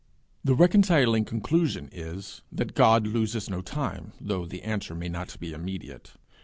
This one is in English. The reconciling conclusion is, that God loses no time, though the answer may not be immediate.